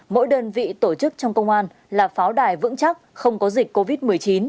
mỗi đơn vị tổ chức trong công an là pháo đài vững chắc không có dịch covid một mươi chín